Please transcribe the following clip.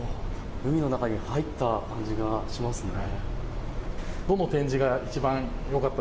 海の中に入った感じがしますね。